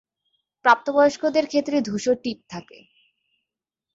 প্রাপ্তবয়স্কদের ক্ষেত্রে ধূসর টিপ থাকে।